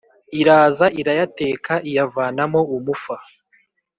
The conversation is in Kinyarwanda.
iraza irayateka iyavanamo umufa